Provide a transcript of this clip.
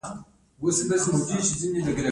د شبت پاڼې د وینې د غوړ لپاره وکاروئ